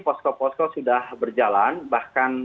posko posko sudah berjalan bahkan